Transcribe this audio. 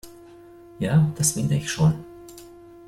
Ja, das finde ich schon.